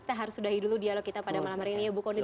kita harus sudahi dulu dialog kita pada malam hari ini ya bu kondi